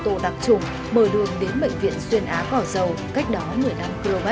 tổ đặc trùng mở đường đến bệnh viện xuyên á gò dầu cách đó một mươi năm km